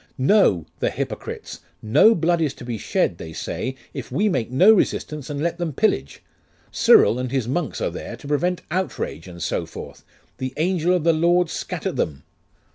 'No, the hypocrites! No blood is to be shed, they say, if we make no resistance, and let them pillage. Cyril and his monks are there, to prevent outrage, and so forth.... The Angel of the Lord scatter them!